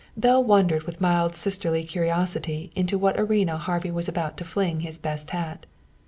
Belle wondered with mild sisterly curiosity into what arena Harvey was about to fling his best hat.